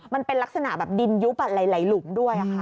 มันเป็นลักษณะแบบดินยุบหลายหลุมด้วยค่ะ